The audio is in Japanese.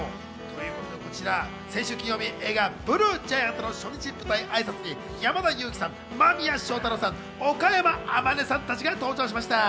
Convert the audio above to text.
先週金曜日、映画『ＢＬＵＥＧＩＡＮＴ』の初日舞台挨拶に山田裕貴さん、間宮祥太朗さん、岡山天音さん達が登場しました。